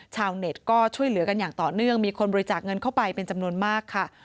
ชาวเน็ตก็ช่วยเหลือกันอย่างต่อเนื่องมีคนบริจาคเงินเข้าไปเป็นจำนวนมากค่ะ